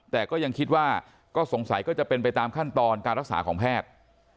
แต่ก็ยังคิดว่าก็สงสัยก็จะเป็นไปตามขั้นตอนการรักษาของแพทย์